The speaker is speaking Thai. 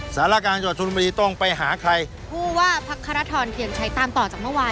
สารกลางจังหวัดชนบุรีต้องไปหาใครผู้ว่าพักคารทรเทียนชัยตามต่อจากเมื่อวาน